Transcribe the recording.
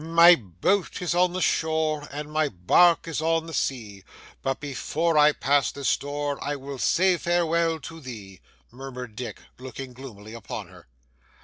'My boat is on the shore and my bark is on the sea, but before I pass this door I will say farewell to thee,' murmured Dick, looking gloomily upon her.